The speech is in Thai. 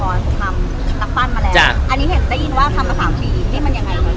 อันนี้เห็นได้ยินว่าทำมา๓ปีนี่มันยังไง